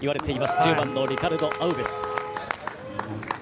１０番、リカルド・アウベス。